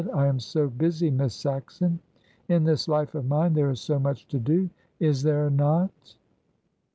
"I am so busy, Miss Saxon! In this life of mine there is so much to do is there not?"